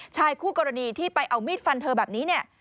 ชายคู่กรณีที่ไปเอามีดฟันเธอแบบนี้เนี่ย